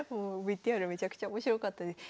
ＶＴＲめちゃくちゃ面白かったです。